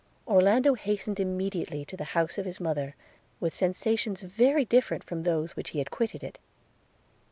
Orlando hastened immediately to the house of his mother, with sensations very different from those which he had quitted it.